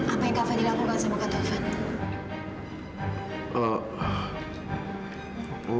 apa yang kak fadila lakukan sama kak tovan